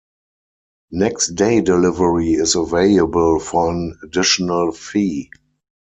Next day delivery is available for an additional fee.